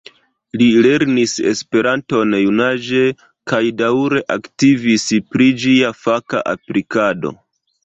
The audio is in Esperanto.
Li lernis Esperanton junaĝe kaj daŭre aktivis pri ĝia faka aplikado.